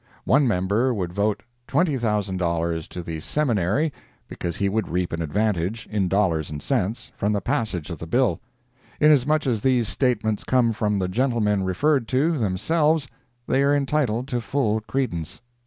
One member would vote $20,000 to the Seminary because he would reap an advantage, in dollars and cents, from the passage of the bill. Inasmuch as these statements come from the gentlemen referred to, themselves, they are entitled to full credence.